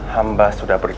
hamba sudah berjalan